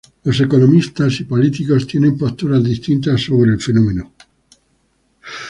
Los economistas y políticos tienen posturas distintas acerca del fenómeno.